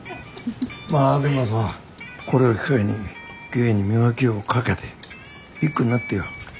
まぁでもさこれを機会に芸に磨きをかけてビッグになってよ。